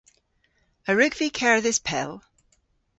A wrug vy kerdhes pell?